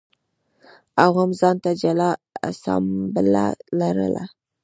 عوامو ځان ته جلا اسامبله لرله